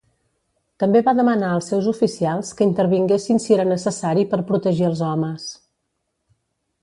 També va demanar als seus oficials que intervinguessin si era necessari per protegir els homes.